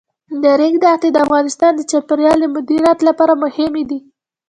د ریګ دښتې د افغانستان د چاپیریال د مدیریت لپاره مهم دي.